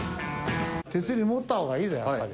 手すり持った方がいいぞやっぱり。